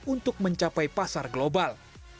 untuk mencapai pasar global